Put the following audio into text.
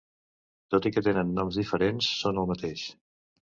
Tot i que tenen noms diferents, són el mateix.